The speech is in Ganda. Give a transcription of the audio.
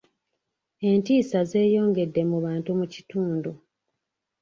Entiisa zeyongedde mu bantu mu kitundu.